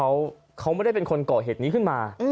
เขาไม่ได้เป็นคนเกาะเหตุนี้ขึ้นมา